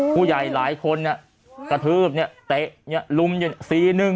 ภูแยกหลายคนกระทืบแตะลุมสีหนึ่ง